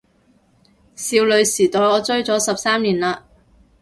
少女時代我追咗十三年喇